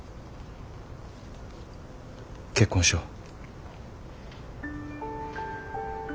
結婚しよう。